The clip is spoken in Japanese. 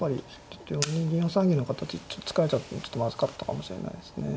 ちょっと４二銀４三銀の形築かれちゃったのちょっとまずかったかもしれないですね。